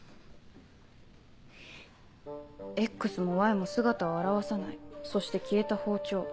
ＸもＹも姿を現さないそして消えた包丁。